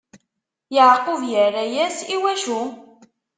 Yeɛqub irra-yas: I wacu?